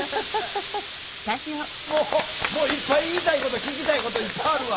もういっぱい言いたいこと聞きたいこといっぱいあるわ。